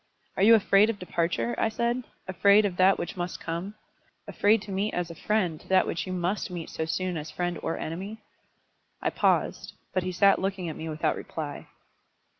"Are you afraid of departure?" I said, "afraid of that which must come; afraid to meet as a friend that which you must meet so soon as friend or enemy?" I paused; but he sat looking at me without reply.